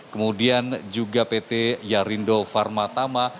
kemudian juga pt yarindo pharma thama